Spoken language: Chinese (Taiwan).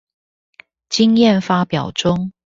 經驗發表中